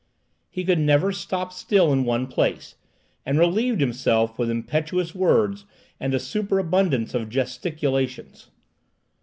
He could never stop still in one place, and relieved himself with impetuous words and a superabundance of gesticulations.